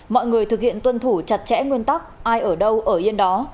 mọi người thực hiện tuân thủ chặt chẽ nguyên tắc ai ở đâu ở yên đó